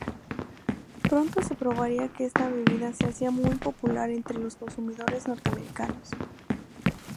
Pronto se probaría que esta bebida se hacía muy popular entre los consumidores norteamericanos.